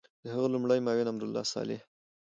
د هغه لومړی معاون امرالله صالح